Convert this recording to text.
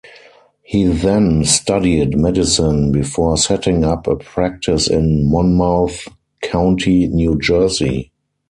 He then studied medicine before setting up a practice in Monmouth County, New Jersey.